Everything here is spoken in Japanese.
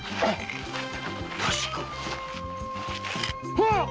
あっ！